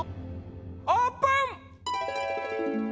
オープン！